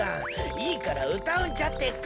いいからうたうんじゃってか。